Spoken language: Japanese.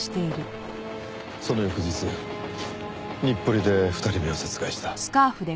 その翌日日暮里で２人目を殺害した。